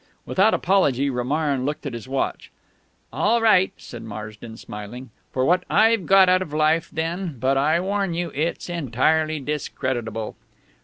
Without apology Romarin looked at his watch. "All right," said Marsden, smiling, "for what I've got out of life, then. But I warn you, it's entirely discreditable."